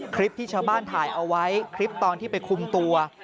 คลิปที่ชาวบ้านถ่ายเอาไว้คลิปตอนที่ไปคุมตัว